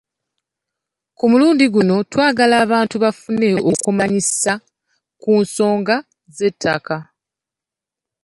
Ku mulundi guno twagala abantu bafune okumanyisa ku nsonga z'ettaka.